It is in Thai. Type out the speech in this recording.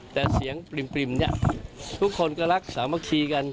แต่เสียงปริ่มเนี่ยทุกคนก็รักสามัคคีกัน